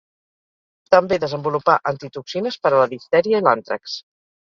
També desenvolupà antitoxines per a la diftèria i l'àntrax.